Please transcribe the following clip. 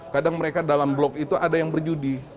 kadang mereka dalam blok itu ada yang berjudi